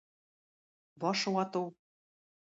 Баш вату.